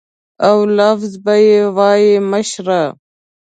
او لفظ به یې وایه مشره.